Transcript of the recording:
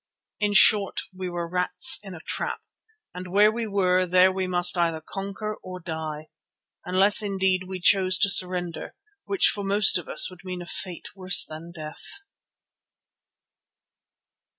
In short, we were rats in a trap and where we were there we must either conquer or die—unless indeed we chose to surrender, which for most of us would mean a fate worse than death.